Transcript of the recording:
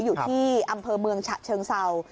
อยู่ที่อำเภอเมืองฉะเชิงเศร้า